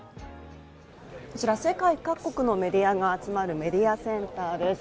こちら世界各国のメディアが集まるメディアセンターです。